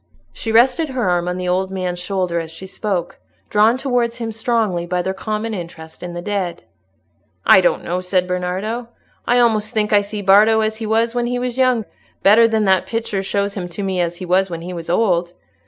She rested her arm on the old man's shoulder as she spoke, drawn towards him strongly by their common interest in the dead. "I don't know," said Bernardo. "I almost think I see Bardo as he was when he was young, better than that picture shows him to me as he was when he was old.